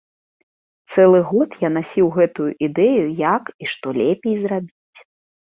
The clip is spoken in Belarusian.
Цэлы год я насіў гэтую ідэю, як і што лепей зрабіць.